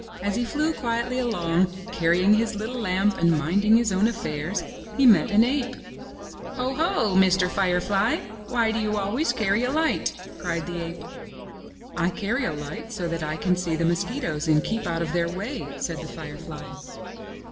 As he flew quietly along, carrying his little lamp and minding his own affairs, he met an ape. *'Ho, ho, Mr. Firefly, why do you always carry a light?'* cried the ape. '*I carry a light so that I can see the mosquitoes and keep out of their way,'* said the firefly.